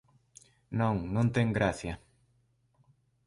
Non, non ten gracia.